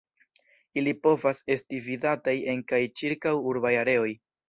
Ili povas esti vidataj en kaj ĉirkaŭ urbaj areoj.